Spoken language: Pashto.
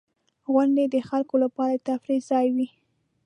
• غونډۍ د خلکو لپاره د تفریح ځای وي.